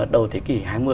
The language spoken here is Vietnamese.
đầu thế kỷ hai mươi